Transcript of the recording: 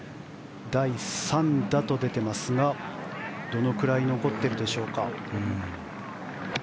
第３打と出ていますがどのくらい残っているか。